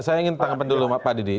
saya ingin tanggapan dulu pak didi